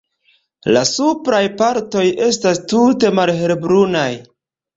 La supraj partoj estas tute malhelbrunaj.